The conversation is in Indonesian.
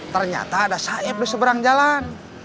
ternyata ada saib di seberang jalan